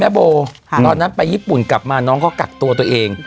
โบตอนนั้นไปญี่ปุ่นกลับมาน้องก็กักตัวตัวเอง